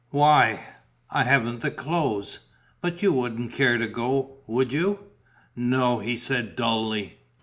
"Why?" "I haven't the clothes.... But you wouldn't care to go, would you?" "No," he said, dully.